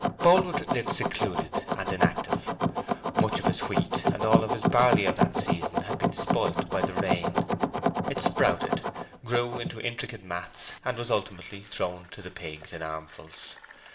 Boldwood lived secluded and inactive. Much of his wheat and all his barley of that season had been spoilt by the rain. It sprouted, grew into intricate mats, and was ultimately thrown to the pigs in armfuls.